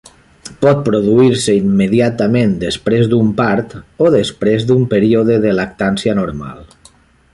Pot produir-se immediatament després d'un part o després d'un període de lactància normal.